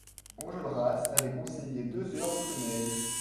Enjolras avait conseillé deux heures de sommeil.